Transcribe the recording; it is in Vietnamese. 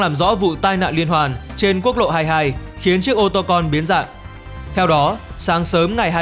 làm rõ vụ tai nạn liên hoàn trên quốc lộ hai mươi hai khiến chiếc ô tô con biến dạng theo đó sáng sớm ngày hai mươi